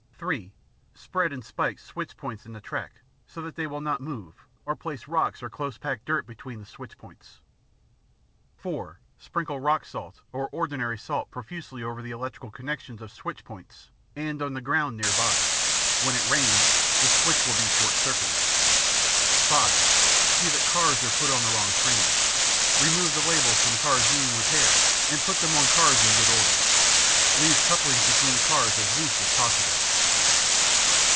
(3) Spread and spike switch points in the track so that they will not move, or place rocks or close packed dirt between the switch points. (4) Sprinkle rock salt or ordinary salt profusely over the electrical connections of switch points and on the ground nearby. When it rains, the switch will be short circuited. (5) See that cars are put on the wrong trains. Remove the labels from cars needing repair and put them on cars in good order. Leave couplings between cars as loose as possible.